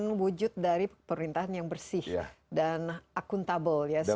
ini adalah wujud dari perintahan yang bersih dan akuntabel